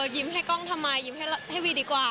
ยิ้มให้กล้องทำไมยิ้มให้วีดีกว่า